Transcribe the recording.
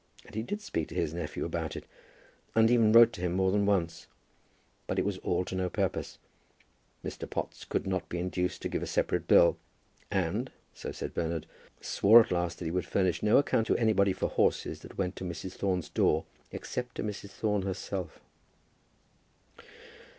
And he did speak to his nephew about it, and even wrote to him more than once. But it was all to no purpose. Mr. Potts could not be induced to give a separate bill, and, so said Bernard, swore at last that he would furnish no account to anybody for horses that went to Mrs. Thorne's door except to Mrs. Thorne herself.